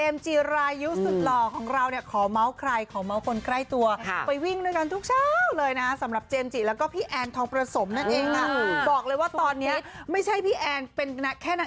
พระเอกหล่อก็ตัวดีเหมือนกัน